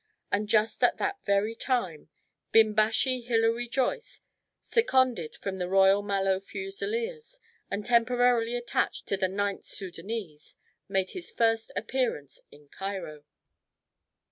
And just at that very time, Bimbashi Hilary Joyce, seconded from the Royal Mallow Fusiliers, and temporarily attached to the Ninth Soudanese, made his first appearance in Cairo.